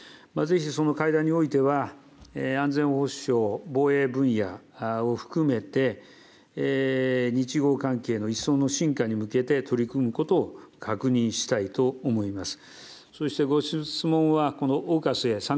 随時その会談においては、安全保障、防衛分野を含めて、日豪関係の一層のしんかに向けて、取り組むことを確認したいと思います。